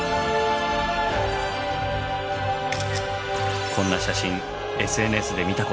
こんな写真ＳＮＳで見たことありませんか？